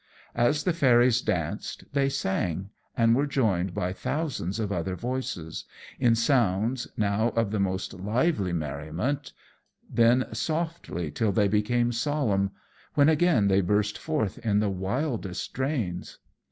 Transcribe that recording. As the fairies danced, they sang, and were joined by thousands of other voices in sounds, now of the most lively merriment, then softly till they became solemn, when again they burst forth in the wildest strains.